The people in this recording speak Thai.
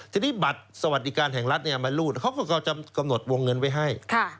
ทีนี้บัตรสวัสดิการแห่งรัฐมารูดเขาก็จะกำหนดวงเงินไว้ให้